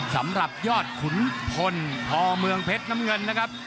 สำหรับยอดขุนพลพอเมืองเพชรน้ำเงินนะครับ